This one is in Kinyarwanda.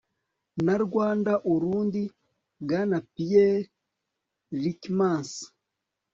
na rwanda-urundi, bwana pierre ryckmans